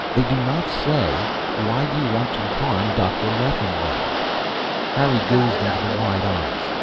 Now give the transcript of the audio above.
They do not say, "Why do you want to harm Dr. Leffingwell?" Harry gazed into the wide eyes.